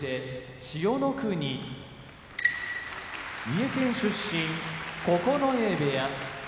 千代の国三重県出身九重部屋